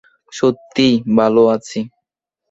সত্যিই ভালো আছি।